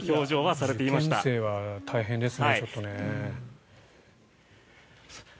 受験生は大変ですね。